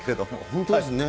本当ですね。